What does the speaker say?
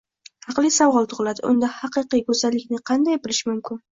Haqli savol tug`iladi unda haqiqiy go`zallikni qanday bilish mumkin